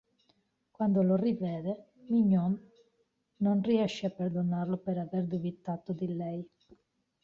Quando lo rivede, Mignon non riesce a perdonarlo per aver dubitato di lei.